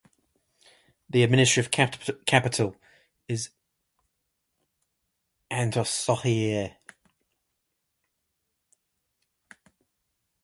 The administrative capital is Antsohihy.